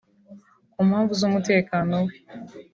Ku mpamvu z’umutekano we